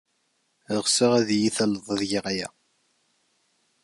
Ɣseɣ ad iyi-talled ad geɣ aya.